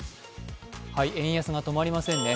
円安が止まりませんね。